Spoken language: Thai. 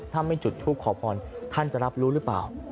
ถ้าไม่จุดทูปขอพรท่านจะรับรู้หรือเปล่า